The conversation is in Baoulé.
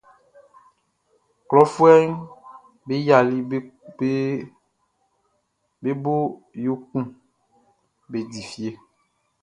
Klɔfuɛʼm be yia be bo yo kun be di fie.